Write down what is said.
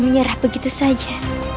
menyerah begitu saja